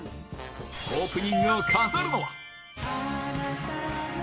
オープニングを飾るのは。